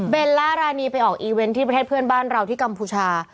ล่ารานีไปออกอีเวนต์ที่ประเทศเพื่อนบ้านเราที่กัมพูชา